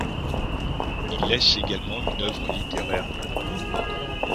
Il laisse également une œuvre littéraire importante.